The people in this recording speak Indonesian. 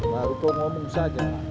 baru kau ngomong saja